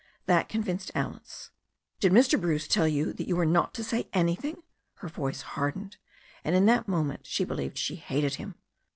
That convinced Alice. "Did Mr. Bruce tell you that you were not to say any thing?" Her voice hardened, and in that moment she be lieved she hated him.